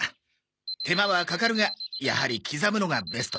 手間はかかるがやはり刻むのがベストだな。